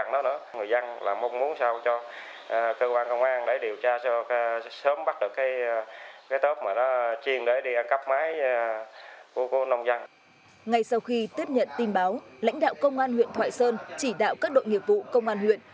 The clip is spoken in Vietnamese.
ngay sau khi tiếp nhận tin báo lãnh đạo công an huyện thoại sơn chỉ đạo các đội nghiệp vụ công an huyện